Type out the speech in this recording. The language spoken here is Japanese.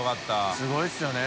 すごいですよね。